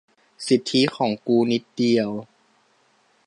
สิทธิของกูนิดเดียว